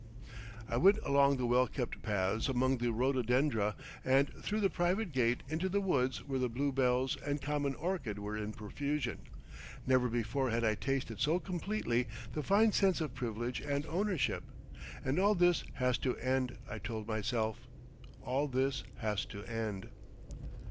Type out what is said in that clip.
I went along the well kept paths among the rhododendra and through the private gate into the woods where the bluebells and common orchid were in profusion. Never before had I tasted so completely the fine sense of privilege and ownership. And all this has to end, I told myself, all this has to end.